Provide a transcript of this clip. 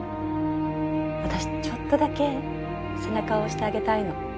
私ちょっとだけ背中を押してあげたいの。